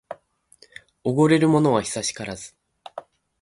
おごれるものは久しからず